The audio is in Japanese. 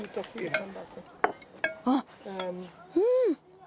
あっうん。